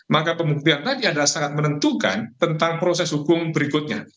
maka pembuktian tadi adalah sangat menentukan tentang proses hukum berikutnya